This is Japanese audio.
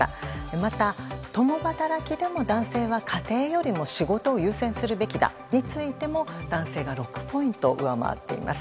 また、共働きでも男性は家庭よりも仕事を優先すべきだについても男性が６ポイント上回っていました。